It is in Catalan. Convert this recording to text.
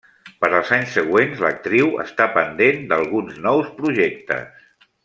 Per als anys següents, l'actriu està pendent d'alguns nous projectes.